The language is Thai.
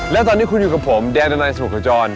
แล้วตอนนี้คุณอยู่กับผมแดนอนัยสุขจร